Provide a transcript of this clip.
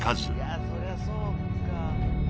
「いやそりゃそうか」